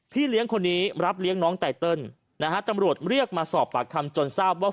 เลี้ยงคนนี้รับเลี้ยงน้องไตเติลนะฮะตำรวจเรียกมาสอบปากคำจนทราบว่า